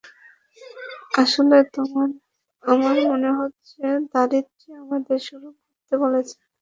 আসলে, আমার মনে হচ্ছে ধরিত্রী আমাদের শুরু করতে বলছে।